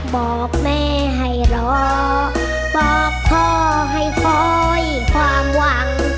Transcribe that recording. บอกแม่ให้รอบอกพ่อให้คอยความหวัง